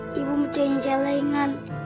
tadi ibu mencengcel lengan